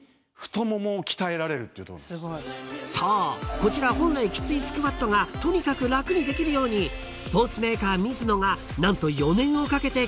こちら本来きついスクワットがとにかく楽にできるようにスポーツメーカーミズノが何と４年をかけて開発した物］